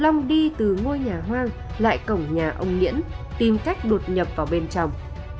lòng đi chơi game từ ngôi nhà hoang lại cổng nhà ông nghĩễn tìm cách đột nhập vào bên trong